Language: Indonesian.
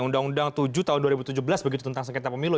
undang undang tujuh tahun dua ribu tujuh belas begitu tentang sengketa pemilu